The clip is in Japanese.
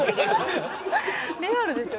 「リアルでしょ？